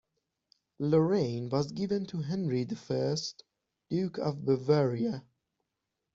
Lorraine was given to Henry the First, Duke of Bavaria.